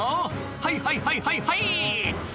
「はいはいはいはいはい！」